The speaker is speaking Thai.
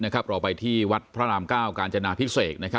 ก็ออกไปที่วัดพระรามเกาห์กาญจนาพิเศษนะครับ